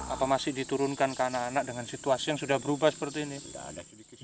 apa masih diturunkan ke anak anak dengan situasi yang sudah berubah seperti ini